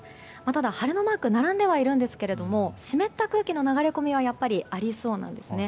ただ、晴れマークが並んではいるんですが湿った空気の流れ込みはやっぱりありそうなんですね。